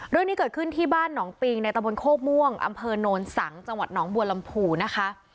เรื่องนี้เกิดขึ้นที่บ้านหนองปิงในตะบนโคกม่วงอำเภอโนนสังจังหวัดหนองบัวลำพูนะคะ